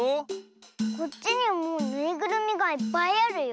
こっちにはぬいぐるみがいっぱいあるよ。